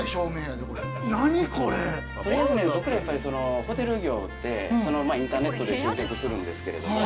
やっぱりそのホテル業ってまあインターネットで集客するんですけれども。